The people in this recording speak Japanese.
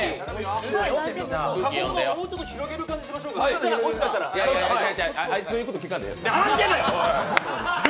もうちょっと広げる感じにしましょうかいやいや、あいつの言うこと、聞かんでええよ。